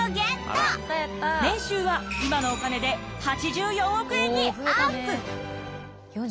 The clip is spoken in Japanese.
年収は今のお金で８４億円にアップ。